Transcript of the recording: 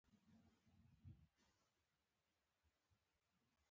د غلو د نیولو شپه مې رڼه کړه.